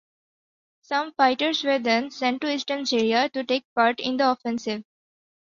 Some fighters were then sent to eastern Syria to take part in the offensive.